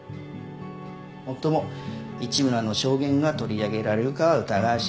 もっとも市村の証言が取り上げられるかは疑わしい。